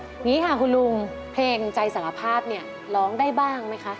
อย่างนี้ค่ะคุณลุงเพลงใจสารภาพเนี่ยร้องได้บ้างไหมคะ